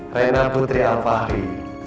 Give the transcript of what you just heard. reina putri al fahri